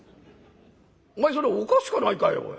お前それおかしかないかい？